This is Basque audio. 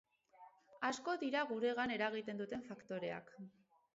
Asko dira guregan eragiten duten faktoreak.